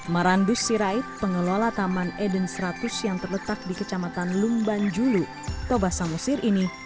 marandus sirait pengelola taman eden seratus yang terletak di kecamatan lumban julu tobasan